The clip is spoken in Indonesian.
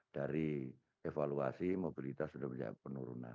dari evaluasi mobilitas sudah berjalan